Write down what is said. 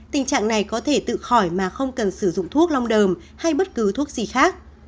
tình trạng này có thể tự khỏi mà không cần sử dụng thuốc la đờm hay bất cứ thuốc gì khác